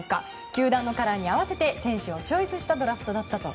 球団のカラーに合わせて選手をチョイスしたドラフトだったと。